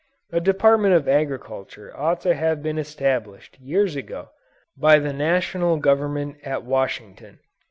A Department of Agriculture ought to have been established, years ago, by the National Government at Washington.